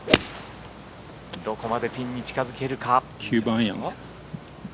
どこまでピンに近づけるか。